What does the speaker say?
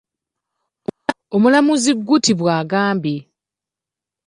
Omulamuzi Gutti bw’agambye.